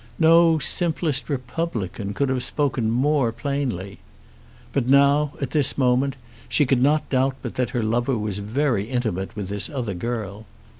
No simplest republican could have spoken more plainly. But now, at this moment, she could not doubt but that her lover was very intimate with this other girl.